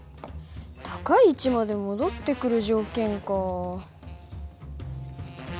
高い位置まで戻ってくる条件か。